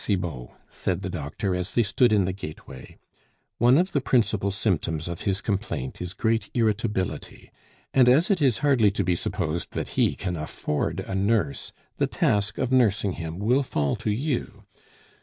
Cibot," said the doctor as they stood in the gateway, "one of the principal symptoms of his complaint is great irritability; and as it is hardly to be supposed that he can afford a nurse, the task of nursing him will fall to you.